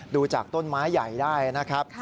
ดูจากต้นไม้ใหญ่ได้นะครับ